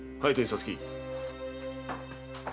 皐月。